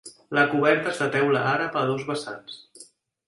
La coberta és de teula àrab a dos vessants.